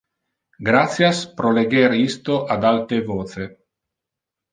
Gratias pro leger isto ad alte voce.